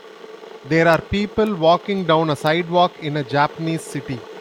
There are people walking down a sidewalk in a Japanese city.